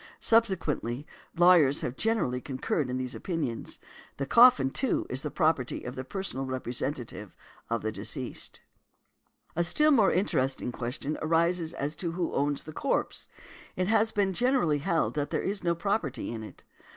Subsequently, lawyers have generally concurred in these opinions; the coffin, too, is the property of the personal representative of the deceased . |153| A still more interesting question arises as to who owns the corpse. It has been generally held that there is no property in it.